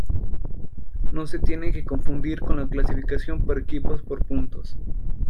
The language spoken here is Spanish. No se tiene que confundir con la clasificación por equipos por puntos.